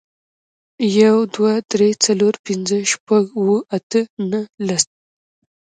یو, دوه, درې, څلور, پنځه, شپږ, اووه, اته, نهه, لس